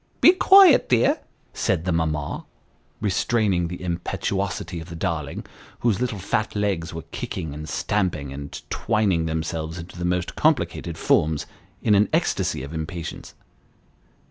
" Be quiet, dear," said the mamma, restraining the impetuosity of the darling, whose little fat legs were kicking, and stamping, and twining themselves into the most complicated forms, in an ecstasy of impatience.